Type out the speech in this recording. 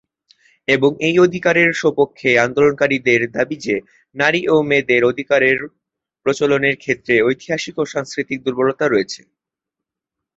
এবং এই অধিকারের স্বপক্ষে আন্দোলনকারীদের দাবী যে, নারী ও মেয়েদের অধিকারের প্রচলনের ক্ষেত্রে ঐতিহাসিক ও সাংস্কৃতিক দুর্বলতা রয়েছে।